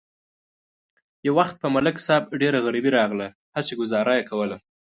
یو وخت په ملک صاحب ډېره غریبي راغله، هسې گذاره یې کوله.